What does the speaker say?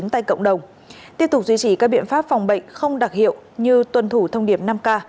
tại cộng đồng tiếp tục duy trì các biện pháp phòng bệnh không đặc hiệu như tuân thủ thông điệp năm k